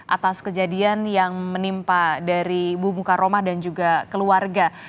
atas kejadian yang menimpa dari ibu mukaromah dan juga keluarga